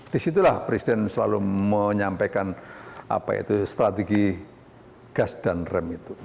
di situlah presiden selalu menyampaikan strategi gas dan rem itu